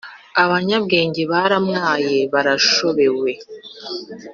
Abanyabwenge baramwaye barashobewe